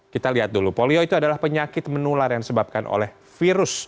kita lihat dulu polio itu adalah penyakit menular yang disebabkan oleh virus